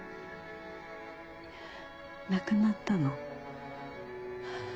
亡くなったの。